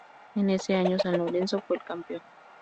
En ese año, San Lorenzo fue el Campeón.